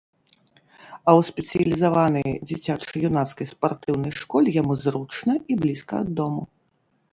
А ў спецыялізаванай дзіцяча-юнацкай спартыўнай школе яму зручна і блізка ад дому.